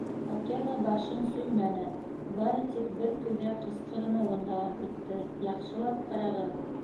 Акела башын сөймәне, бары тик бер көйҙә ҡысҡырыныуын дауам итте: «Яҡшылап ҡарағыҙ!»